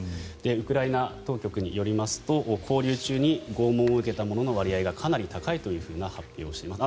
ウクライナ当局によりますと拘留中に拷問を受けた者の割合がかなり高いというふうな発表をしています。